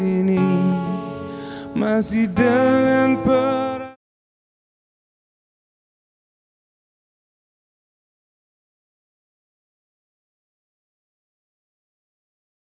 untuk jadi lebih baik